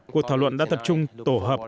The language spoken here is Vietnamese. cuộc thảo luận đã tập trung tổ hợp